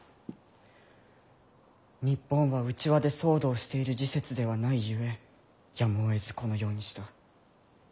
「日本は内輪で騒動をしている時節ではないゆえやむをえずこのようにした。